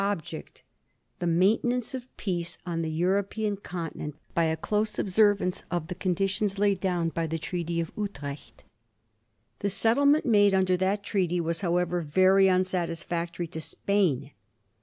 object the maintenance of peace on the European continent by a close observance of the conditions laid down in the Treaty of Utrecht. The settlement made under that treaty was, however, very unsatis factory to Spain.